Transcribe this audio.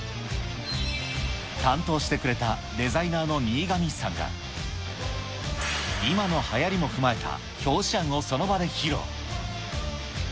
担当してくれたデザイナーの新上さんが、今のはやりも踏まえた表紙案をその場で披露。